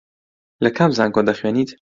لە کام زانکۆ دەخوێنیت؟